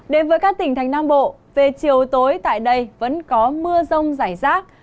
đến với các tỉnh thành nam bộ về chiều tối tại đây vẫn có mưa rông rải rác